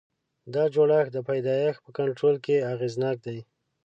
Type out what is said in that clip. دا جوړښت د پیدایښت په کنټرول کې اغېزناک دی.